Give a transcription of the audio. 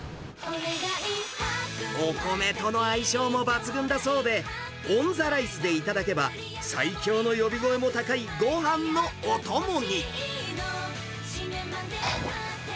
お米との相性も抜群だそうで、オンザライスで頂けば、最強の呼び声も高いごはんのお供に。